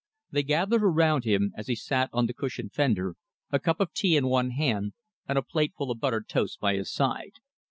They gathered around him as he sat on the cushioned fender, a cup of tea in one hand and a plateful of buttered toast by his side.